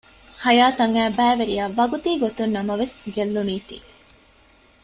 ހަޔާތަށް އައި ބައިވެރިޔާ ވަގުތީގޮތުން ނަމަވެސް ގެއްލުނީތީ